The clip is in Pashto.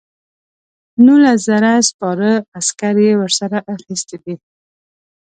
نولس زره سپاره عسکر یې ورسره اخیستي دي.